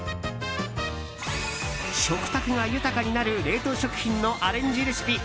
食卓が豊かになる冷凍食品のアレンジレシピ。